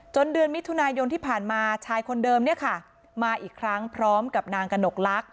เดือนมิถุนายนที่ผ่านมาชายคนเดิมเนี่ยค่ะมาอีกครั้งพร้อมกับนางกระหนกลักษ